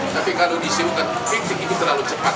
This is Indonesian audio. tapi kalau disebutkan fikir itu terlalu cepat